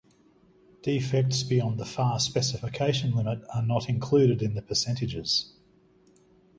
Defects beyond the far specification limit are not included in the percentages.